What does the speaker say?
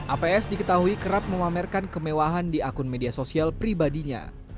aps diketahui kerap memamerkan kemewahan di akun media sosial pribadinya